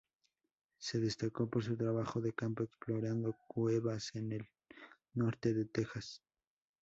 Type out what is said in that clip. Se destacó por su trabajo de campo explorando cuevas en el norte de Texas.